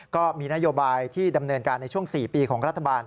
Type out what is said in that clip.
ก็มีนโยบายที่ดำเนินการในช่วง๔ปีของรัฐบาล